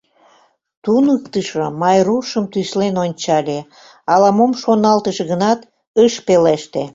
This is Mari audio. Туныктышо Майрушым тӱслен ончале, ала-мом шоналтыш гынат, ыш пелеште.